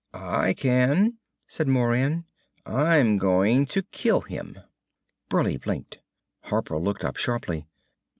"I can," said Moran. "I'm going to kill him." Burleigh blinked. Harper looked up sharply.